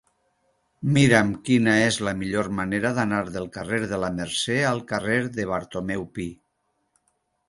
Mira'm quina és la millor manera d'anar del carrer de la Mercè al carrer de Bartomeu Pi.